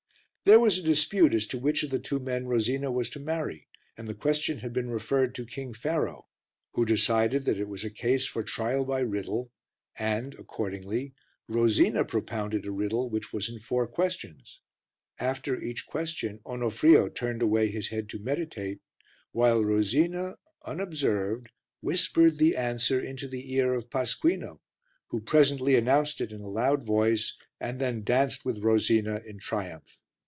There was a dispute as to which of the two men Rosina was to marry, and the question had been referred to King Pharaoh who decided that it was a case for trial by riddle, and, accordingly, Rosina propounded a riddle which was in four questions; after each question Onofrio turned away his head to meditate, while Rosina, unobserved, whispered the answer into the ear of Pasquino who presently announced it in a loud voice and then danced with Rosina in triumph.